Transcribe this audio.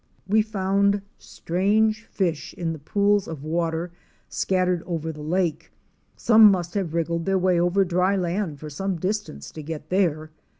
We found strange fish in the pools of water scattered over the lake. Some must have wriggled their way over dry land for some distance to get there.